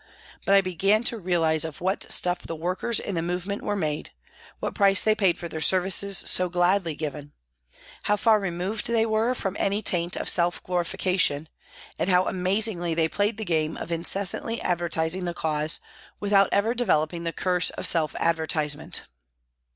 but I began to realise of what stuff the workers in the movement were made ; what price they paid for their services so gladly given ; how far removed they were from any taint of self glorification, and how amazingly they played the game of incessantly advertising the Cause without ever developing the curse of self advertisement.